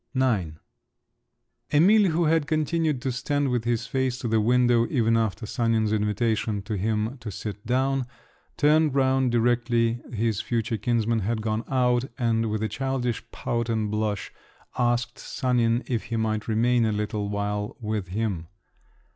IX Emil, who had continued to stand with his face to the window, even after Sanin's invitation to him to sit down, turned round directly his future kinsman had gone out, and with a childish pout and blush, asked Sanin if he might remain a little while with him.